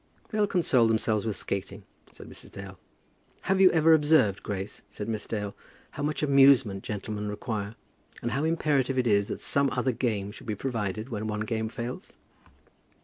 "They'll console themselves with skating," said Mrs. Dale. "Have you ever observed, Grace," said Miss Dale, "how much amusement gentlemen require, and how imperative it is that some other game should be provided when one game fails?"